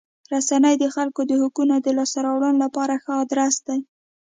رسنۍ د خلکو د حقوقو د لاسته راوړلو لپاره ښه ادرس دی.